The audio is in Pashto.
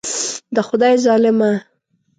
د خدای ظالمه.